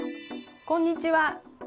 こんにちは。